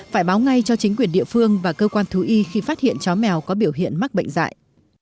phải báo ngay cho chính quyền địa phương và cơ quan thú y khi phát hiện chó mèo có biểu hiện mắc bệnh dạy